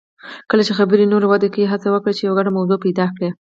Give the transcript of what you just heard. کله چې خبرې نوره وده کوي، هڅه وکړئ چې یو ګډه موضوع پیدا کړئ.